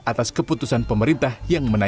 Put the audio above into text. atas keputusan pemerintah yang menanggung